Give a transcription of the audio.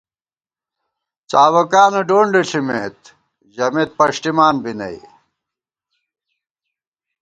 څابَکانہ ڈونڈے ݪِمېت ، ژمېت پݭٹِمان بی نئ